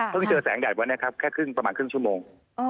เพิ่งเจอแสงใหญ่ประมาณครึ่งชั่วโมง